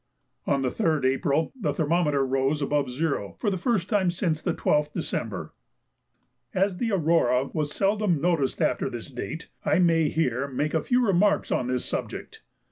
On the 3rd April the thermometer rose above zero, for the first time since the 12th December. As the aurora was seldom noticed after this date, I may here make a few remarks on this subject.